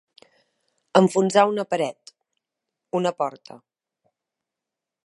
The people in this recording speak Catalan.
Enfonsar una paret, una porta.